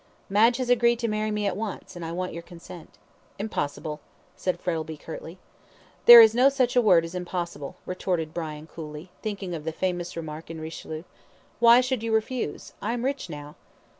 "Madge has agreed to marry me at once, and I want your consent." "Impossible!" said Frettlby, curtly. "There is no such a word as impossible," retorted Brian, coolly, thinking of the famous remark in RICHELIEU, "Why should you refuse? I am rich now."